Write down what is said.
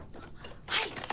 はい！